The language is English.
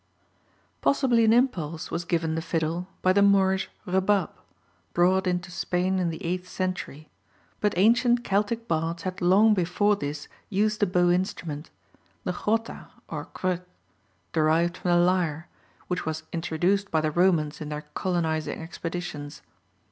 Possibly an impulse was given the fiddle by the Moorish rebab, brought into Spain in the eighth century, but ancient Celtic bards had long before this used a bow instrument the chrotta or crwth, derived from the lyre, which was introduced by the Romans in their colonizing expeditions.